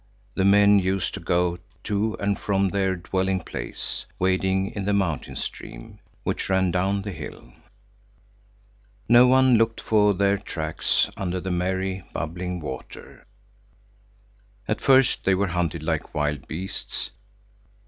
The men used to go to and from their dwelling place, wading in the mountain stream, which ran down the hill. No one looked for their tracks under the merry, bubbling water. At first they were hunted like wild beasts.